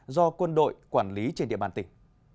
do quân đội quản lý trên địa bàn tỉnh